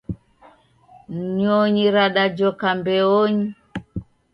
Nyonyi radajoka mbeonyi.